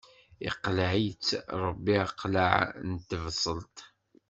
Iqleɛ-itt Ṛebbi aqlaɛ n tebṣelt.